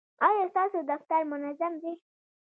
ایا ستاسو دفتر منظم دی؟